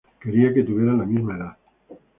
Quería que tuvieran la misma edad.